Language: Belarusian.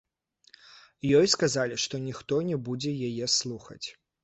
Ёй сказалі, што ніхто не будзе яе слухаць.